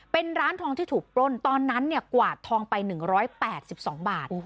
เป็นร้านทองที่ถูกปล้นตอนนั้นเนี่ยกวาดทองไปหนึ่งร้อยแปดสิบสองบาท